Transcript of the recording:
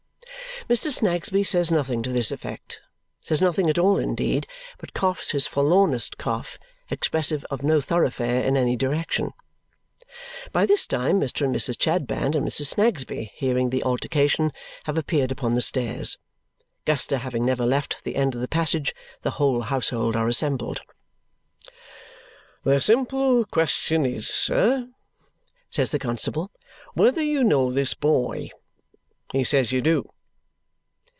Mr. Snagsby says nothing to this effect, says nothing at all indeed, but coughs his forlornest cough, expressive of no thoroughfare in any direction. By this time Mr. and Mrs. Chadband and Mrs. Snagsby, hearing the altercation, have appeared upon the stairs. Guster having never left the end of the passage, the whole household are assembled. "The simple question is, sir," says the constable, "whether you know this boy. He says you do."